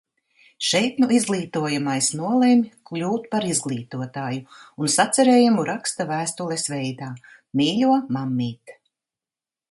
Šeit nu izglītojamais nolemj kļūt par izglītotāju un sacerējumu raksta vēstules veidā: Mīļo, mammīt!